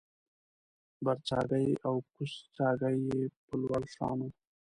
برڅاګی او کوزڅاګی یې په لوړ شان و